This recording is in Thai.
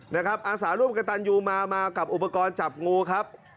อาสาร่วมกับตันยูมามากับอุปกรณ์จับงูครับ